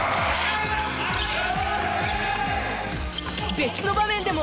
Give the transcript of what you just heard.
別の場面でも。